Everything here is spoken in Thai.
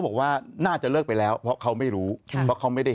บอกว่าน่าจะเลิกไปแล้วเพราะเขาไม่รู้ค่ะเพราะเขาไม่ได้